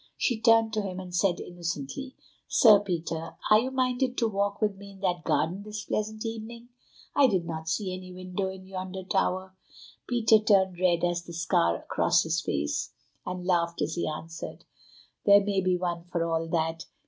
She turned to him and said innocently: "Sir Peter, are you minded to walk with me in that garden this pleasant evening? I do not see any window in yonder tower." Peter turned red as the scar across his face, and laughed as he answered: "There may be one for all that.